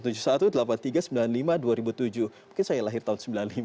mungkin saya lahir tahun seribu sembilan ratus sembilan puluh lima